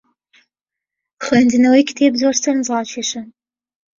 خوێندنەوەی کتێب زۆر سەرنجڕاکێشە.